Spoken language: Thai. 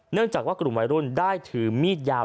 เนื่องจากว่ากลุ่มวัยรุ่นได้ถือมีดยาว